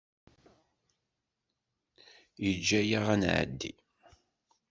Yeǧǧa-aɣ ad nɛeddi.